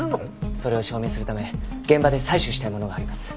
それを証明するため現場で採取したいものがあります。